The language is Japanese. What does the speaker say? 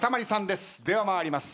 では参ります。